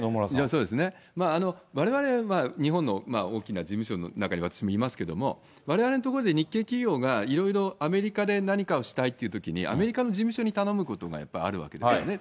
そうですね、われわれは日本の大きな事務所の中に私もいますけども、われわれのところで日系企業がいろいろアメリカで何かをしたいというときに、アメリカの事務所に頼むことも、やっぱりあるわけですよね。